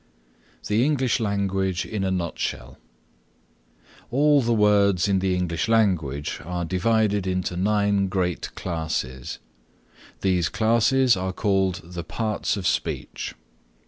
THE ENGLISH LANGUAGE IN A NUTSHELL All the words in the English language are divided into nine great classes. These classes are called the Parts of Speech.